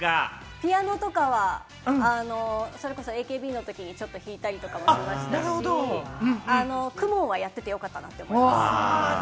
ピアノとかは、ＡＫＢのときにちょっと弾いたりとかしましたし、ＫＵＭＯＮはやっててよかったなと思います。